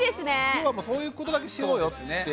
今日はもうそういうことだけしようよって。